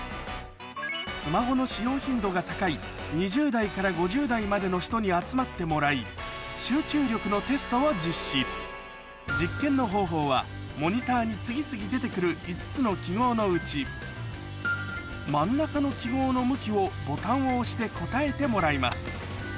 スマホの使用頻度が高い２０代から５０代までの人に集まってもらい集中力のテストを実施実験の方法はモニターに次々出て来る５つの記号のうち真ん中の記号の向きをボタンを押して答えてもらいます